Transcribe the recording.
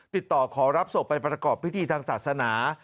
ติดต่อขอรับศพไปประกอบพิธีทางศาสนา